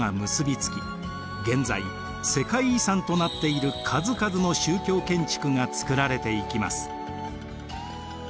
現在世界遺産となっている数々の宗教建築が造られていきます。